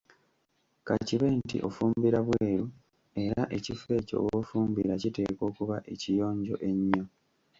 Ka kibe nti ofumbira bweru era ekifo ekyo w‘ofumbira kiteekwa okuba ekiyonjo ennyo.